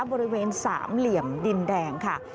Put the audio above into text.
บริเวณสามเหลี่ยมดินแดงค่ะ